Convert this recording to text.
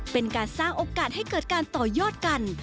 เป็นการสร้างโอกาสให้เกิดการต่อยอดกัน